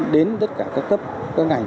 đến tất cả các cấp các ngành